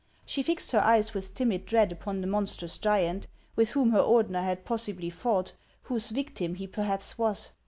She fixed her eyes with timid dread upon the monstrous giant, with whom her Ordener had possibly fought, whose victim he perhaps was.